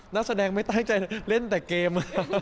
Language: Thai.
นักแสดงไม่ตั้งใจเล่นแต่เกม